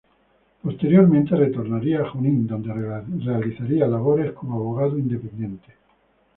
Posteriormente retornaría a Junín donde realizaría labores como abogado independiente.